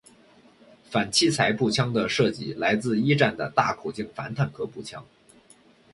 反器材步枪的设计来自一战的大口径反坦克步枪。